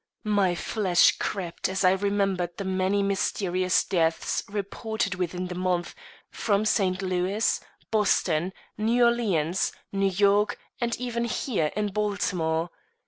My flesh crept as I remembered the many mysterious deaths reported within the month from St. Louis, Boston, New Orleans, New York and even here in Baltimore.